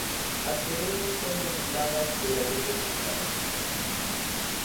As que veñen son presentadas polo Grupo Popular.